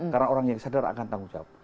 karena orang yang sadar akan tanggung jawab